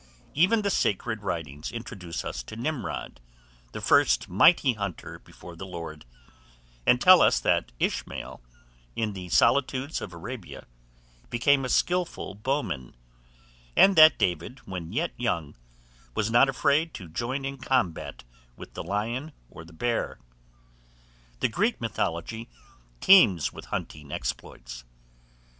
Even the sacred writings introduce us to Nimrod, the first mighty hunter before the Lord, and tell us that Ishmael, in the solitudes of Arabia, became a skilful bow man; and that David, when yet young, was not afraid to join in combat with the lion or the bear. The Greek mythology teems with hunting exploits.